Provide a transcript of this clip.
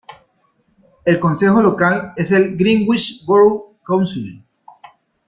El consejo local es el Greenwich Borough Council.